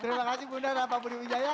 terima kasih bunda dan pak budi wijaya